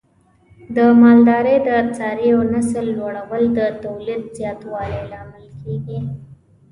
د مالدارۍ د څارویو نسل لوړول د تولید زیاتوالي لامل کېږي.